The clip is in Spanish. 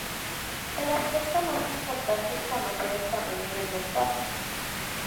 El aspecto más importante es conocer el tamaño del mercado.